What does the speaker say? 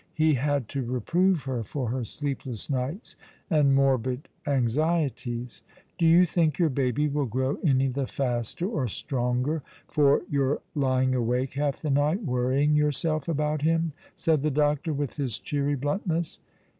He had to reprove her for her sleepless nights and morbid anxieties. " Do you think your baby will grow any the faster or stronger for your lying awake half the night worrying yourself about him ?" said the doctor, with his cheery bluntness.